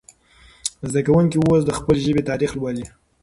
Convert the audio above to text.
زده کوونکي اوس د خپلې ژبې تاریخ لولي.